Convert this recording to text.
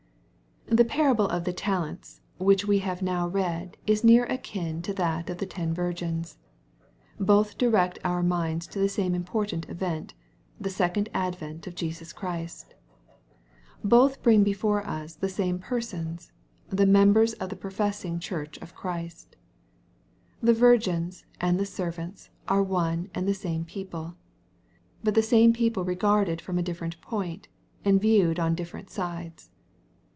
The parable of the talents which we have now read IB near akin to that of the ten virgins. Both direct our minds to the same important event, the second advent of Jesus Christ. Both bring before us the same persons, the members of the professing Church of Christ. The virgins and the servants are one and the same people, — ^but the same people regarded from a different point, and viewed on different sides.